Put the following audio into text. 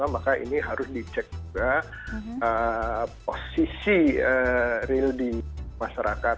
maka ini harus dicek juga posisi real di masyarakat